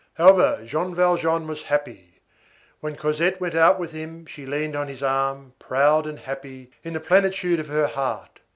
However, Jean Valjean was happy. When Cosette went out with him, she leaned on his arm, proud and happy, in the plenitude of her heart.